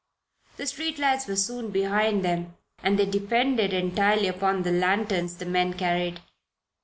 The street lights were soon behind them and they depended entirely upon the lanterns the men carried.